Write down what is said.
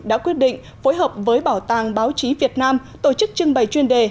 đã quyết định phối hợp với bảo tàng báo chí việt nam tổ chức trưng bày chuyên đề